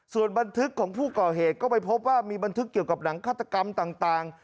ส่วนบันทึกของผู้ก่อเหตุก็ไปพบว่ามีบันทึกเกี่ยวกับหนังฆาตกรรมต่าง